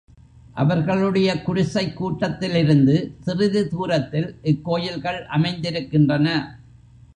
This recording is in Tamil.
அவர்களுடைய குடிசைக் கூட்டத்திலிருந்து, சிறிது தூரத்தில் இக் கோயில்கள் அமைந்திருக்கின்றன.